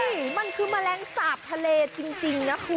สุขอ่ะนี่มันคือแมลงสาบทะเลจริงนะกลัว